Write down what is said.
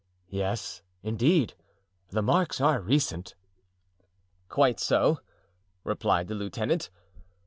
"Yes, indeed, the marks are recent." "Quite so," replied the lieutenant.